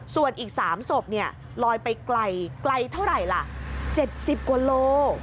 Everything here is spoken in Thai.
ส่วนอีก๓ศพลอยไปไกลไกลเท่าไหร่ล่ะ๗๐กว่าโล